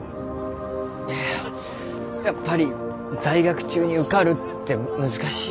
いややっぱり在学中に受かるって難しいよ。